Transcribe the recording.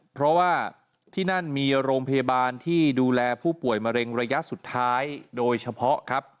เพราะว่าที่นั่นมีโรงพยาบาลที่ดูแลผู้ป่วยมะเร็งระยะสุดท้ายโดยเฉพาะครับ